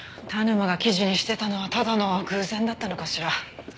田沼が記事にしてたのはただの偶然だったのかしら？